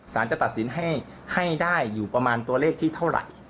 สารจะตัดสินให้ได้อยู่ประมาณตัวเลขที่เท่าไหร่